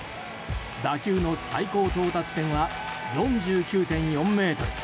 打球の最高到達点は４９．４ｍ。